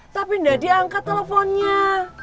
tapi gak diangkat teleponnya